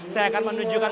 saya akan menunjukkan